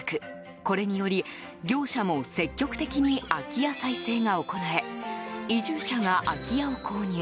これにより業者も積極的に空き家再生が行え移住者が空き家を購入。